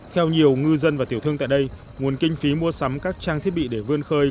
theo nhiều ngư dân và tiểu thương tại đây nguồn kinh phí mua sắm các trang thiết bị để vươn khơi